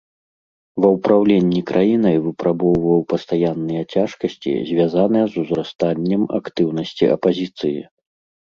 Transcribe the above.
Ва ўпраўленні краінай выпрабоўваў пастаянныя цяжкасці, звязаныя з узрастаннем актыўнасці апазіцыі.